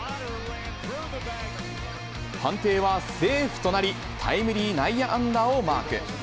判定はセーフとなり、タイムリー内野安打をマーク。